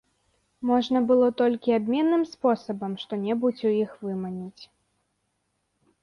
Можна было толькі абменным спосабам што-небудзь у іх выманіць.